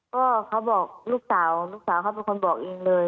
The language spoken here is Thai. ก็เขาบอกลูกสาวลูกสาวเขาเป็นคนบอกเองเลย